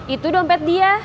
itu dompet dia